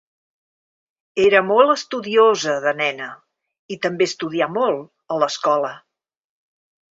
Era molt estudiosa de nena, i també estudià molt a l'escola.